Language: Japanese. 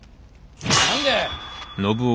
何で？